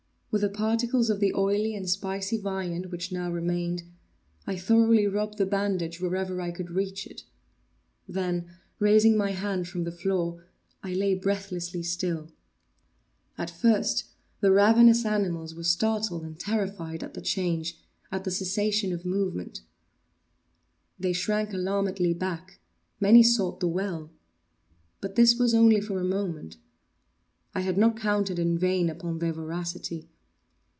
With the particles of the oily and spicy viand which now remained, I thoroughly rubbed the bandage wherever I could reach it; then, raising my hand from the floor, I lay breathlessly still. At first the ravenous animals were startled and terrified at the change—at the cessation of movement. They shrank alarmedly back; many sought the well. But this was only for a moment. I had not counted in vain upon their voracity.